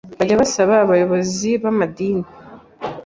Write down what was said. bajya basaba abayobozi b’amadini